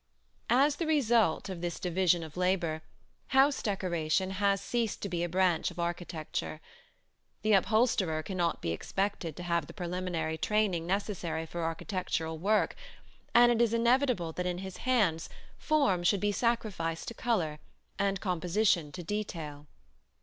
As the result of this division of labor, house decoration has ceased to be a branch of architecture. The upholsterer cannot be expected to have the preliminary training necessary for architectural work, and it is inevitable that in his hands form should be sacrificed to color and composition to detail.